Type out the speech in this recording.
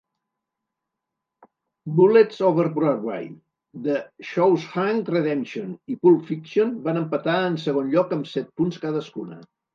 "Bullets over Broadway", "The Shawshank Redemption" i "Pulp Fiction" van empatar en segon lloc amb set punts cadascuna.